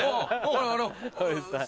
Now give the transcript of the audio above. あの。